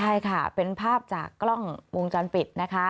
ใช่ค่ะเป็นภาพจากกล้องวงจรปิดนะคะ